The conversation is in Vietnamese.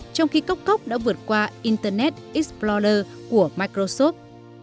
trong khi cốc cốc đã vượt qua internet explorer của microsoft